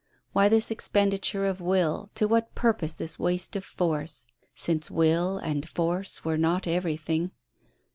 Why this expenditure of will, to what purpose this waste of force, since will and force were not everything?